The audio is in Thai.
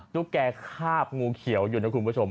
ตุ๊กแกคาบงูเขียวอยู่นะคุณผู้ชม